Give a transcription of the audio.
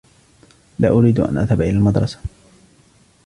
لا أريد أن أذهب إلى المدرسة.